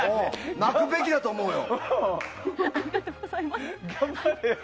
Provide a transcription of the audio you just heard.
泣くべきだと思うよ。